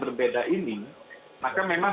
berbeda ini maka memang